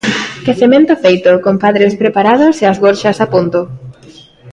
Quecemento feito, compadres preparados e as gorxas a punto.